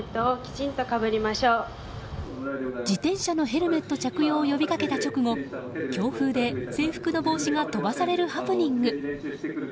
自転車のヘルメット着用を呼びかけた直後強風で制服の帽子が飛ばされるハプニング。